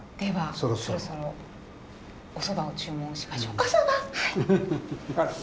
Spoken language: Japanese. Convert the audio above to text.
そろそろお蕎麦を注文しましょうか。